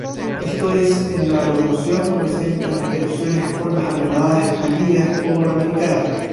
Esto es, en la locomoción no presentan alteraciones a formas aplanadas expandidas o ramificadas.